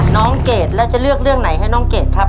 เกรดแล้วจะเลือกเรื่องไหนให้น้องเกดครับ